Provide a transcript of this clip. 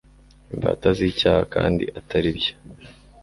imbata zicyaha kandi ataribyo